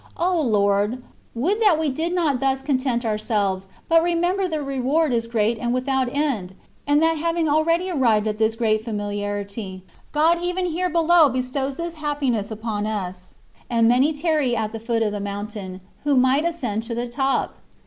O Lord ! would that we did not thus content ourselves, but remember the reward is great and without end; and that having already arrived at this great familiarity^ God even here below bestows this happiness upon us ; and many tarry at the foot of the mountain, who might ascend the top